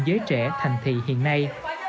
giới trẻ thành thị hiện nay